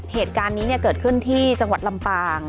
เหตุการณ์นี้เกิดขึ้นที่จังหวัดลำปาง